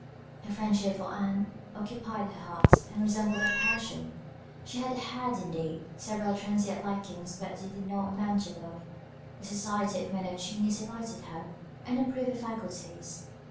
Her friendship for Ann occupied her heart, and resembled a passion. She had had, indeed, several transient likings; but they did not amount to love. The society of men of genius delighted her, and improved her faculties.